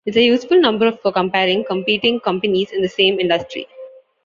It's a useful number for comparing competing companies in the same industry.